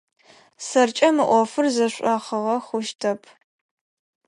Сэркӏэ мы ӏофыр зэшӏохыгъэ хъущтэп.